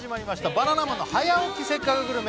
バナナマンの「早起きせっかくグルメ！！」